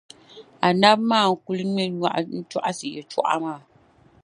Anabi maa n-kul ŋme nyɔɣu n-tɔɣisi yɛtɔɣa maa.